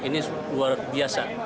ini luar biasa